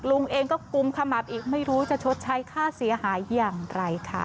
ลุงเองก็กุมขมับอีกไม่รู้จะชดใช้ค่าเสียหายอย่างไรค่ะ